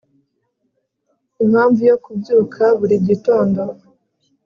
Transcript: Impamvu yo kubyuka buri gitondo